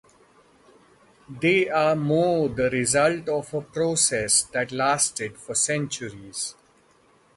They are more the result of a process that lasted for centuries.